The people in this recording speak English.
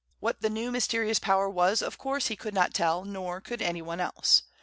What the new, mysterious power was, of course he could not tell, nor could any one else.